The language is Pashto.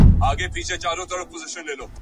د ښکاری هم حوصله پر ختمېدو وه ,